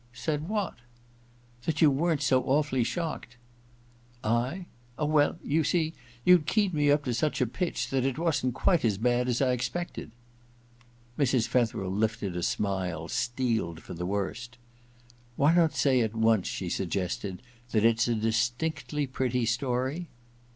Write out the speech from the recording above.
* Said what ?'* That you weren't so awfully shocked ^* I ? Oh, well — ^you see, you'd keyed me up to such a pitch that it wasn't quite as bad as I expected ' Mrs. Fetherel lifted a smile steeled for the worst. * Why not say at once,' she suggested, * that it's a distinctly pretty story